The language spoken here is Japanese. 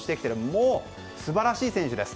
もう素晴らしい選手です。